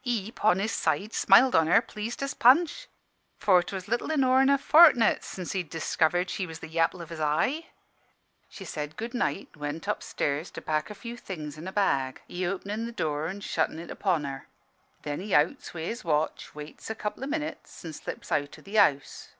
He, 'pon his side, smiled on her, pleased as Punch; for 'twas little inore'n a fortni't since he'd discovered she was the yapple of his eye. She said 'Good night' an' went up stairs to pack a few things in a bag, he openin' the door and shuttin' it upon her. Then he outs wi' his watch, waits a couple o' minutes, an' slips out o' the house.